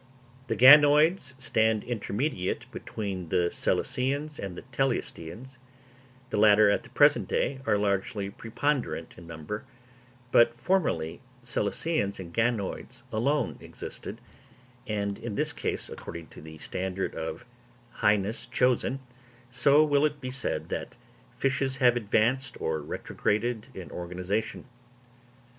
The ganoids stand intermediate between the selaceans and teleosteans; the latter at the present day are largely preponderant in number; but formerly selaceans and ganoids alone existed; and in this case, according to the standard of highness chosen, so will it be said that fishes have advanced or retrograded in organisation.